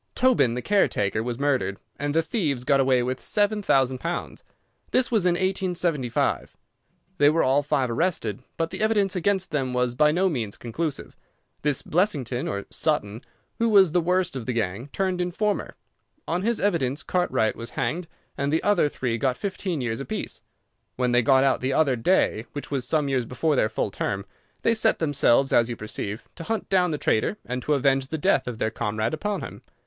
Tobin, the caretaker, was murdered, and the thieves got away with seven thousand pounds. This was in 1875. They were all five arrested, but the evidence against them was by no means conclusive. This Blessington or Sutton, who was the worst of the gang, turned informer. On his evidence Cartwright was hanged and the other three got fifteen years apiece. When they got out the other day, which was some years before their full term, they set themselves, as you perceive, to hunt down the traitor and to avenge the death of their comrade upon him.